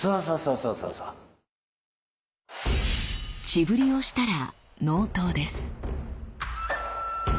血振りをしたら納刀です。